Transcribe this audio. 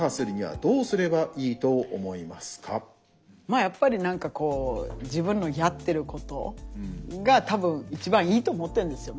まあやっぱり何かこう自分のやってることが多分一番いいと思ってんですよ